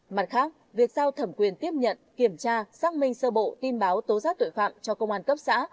mặt khác việc giao thẩm quyền tiếp nhận kiểm tra xác minh sơ bộ tin báo tố giác tội phạm cho công an cấp xã